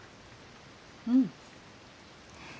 うん。